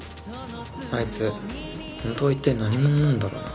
あいつほんとは一体何者なんだろうな。